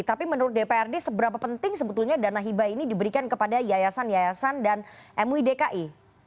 tapi menurut dprd seberapa penting sebetulnya dana hibah ini diberikan kepada yayasan yayasan dan mui dki